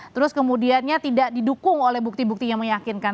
terus kemudiannya tidak didukung oleh bukti bukti yang meyakinkan